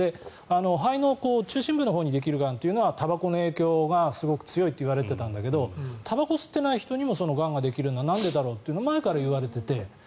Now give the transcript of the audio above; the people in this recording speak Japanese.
肺の中心部のほうにできるがんというのはたばこの影響がすごく強いといわれてたんだけどたばこを吸っていない人にもそのがんができるのはなんでだろうと前からいわれていて。